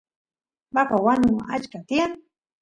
vaca wanu achka tiyan